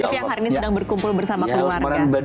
yang hari ini sedang berkumpul bersama keluarga